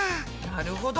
なるほど！